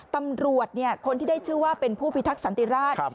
ตำรวจคนที่ได้ชื่อว่าเป็นผู้พิทักษันติราช